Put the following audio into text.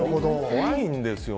怖いんですよ